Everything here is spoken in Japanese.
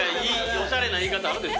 おしゃれな言い方あるでしょ。